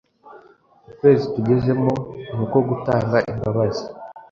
Ukwezi tugezemo nuko gutanga imbabazi